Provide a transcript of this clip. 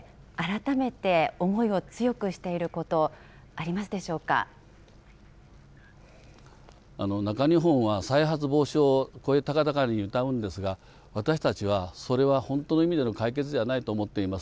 １０年がたって、改めて思いを強くしていること、ありますで中日本は再発防止を声高々にうたうんですが、私たちは、それは本当の意味での解決ではないと思っています。